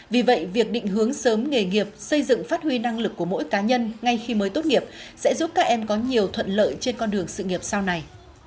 vì vậy việc định hướng sớm nghề nghiệp xây dựng phát huy năng lực của mỗi cá nhân ngay khi mới tốt nghiệp sẽ giúp các em có nhiều thuận lợi trên con đường sự nghiệp sau này